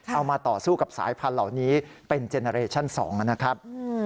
เอามาต่อสู้กับสายพันธุ์เหล่านี้เป็นเจนนาเรชั่น๒นะครับ